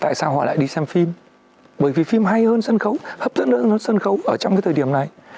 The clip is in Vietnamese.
tại sao họ lại đi xem phim bởi vì phim hay hơn sân khấu hấp dẫn hơn sân khấu ở trong cái thời điểm này